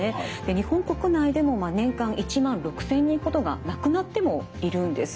日本国内でも年間１万６，０００人ほどが亡くなってもいるんです。